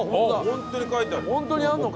本当に書いてある！